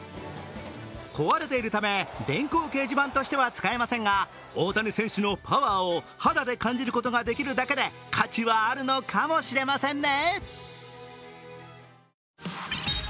壊れているため電光掲示板としては使えませんが大谷選手のパワーを肌で感じることができるだけで価値はあるのかもしれませんね。